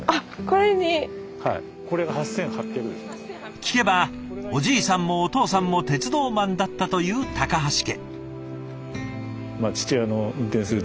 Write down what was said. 聞けばおじいさんもお父さんも鉄道マンだったという橋家。